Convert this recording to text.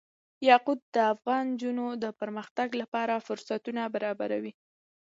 یاقوت د افغان نجونو د پرمختګ لپاره فرصتونه برابروي.